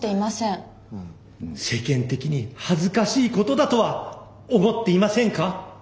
世間的に恥ずかしいことだとは思っていませんか？